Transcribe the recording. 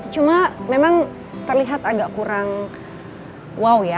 cuma memang terlihat agak kurang wow ya